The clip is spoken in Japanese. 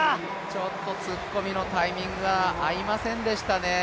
ちょっと突っ込みのタイミングが合いませんでしたね。